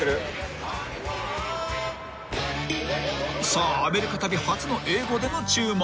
［さあアメリカ旅初の英語での注文］